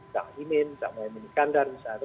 pak imin sama imin kandar misalnya